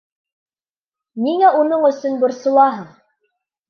Ниңә уның өсөн борсолаһың?